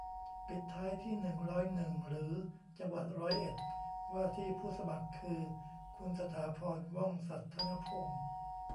ปิดท้ายที่ หนึ่งร้อยหนึ่ง หรือ จังหวัดร้อยเอ็ด ว่าที่ผู้สมัครคือ คุณสถาพร ว่องสัธนพงษ์